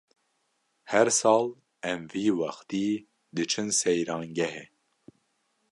Her sal em vî wextî diçin seyrangehê.